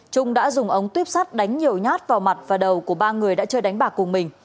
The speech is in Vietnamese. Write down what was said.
trung đã dùng ống tuyếp sắt đánh nhiều nhát vào mặt và đầu của ba người đã chơi đánh bạc cùng mình